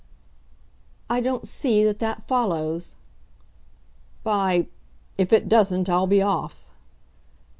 "I don't see that that follows." "By , if it doesn't, I'll be off!"